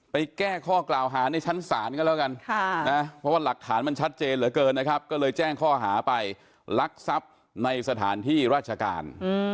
แก้ข้อกล่าวหาในชั้นศาลก็แล้วกันเพราะว่าหลักฐานมันชัดเจนเหลือเกินนะครับก็เลยแจ้งข้อหาไปลักทรัพย์ในสถานที่ราชการ